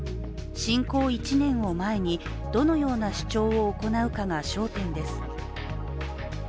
侵攻１年を前に、どのような主張を行うかが焦点です。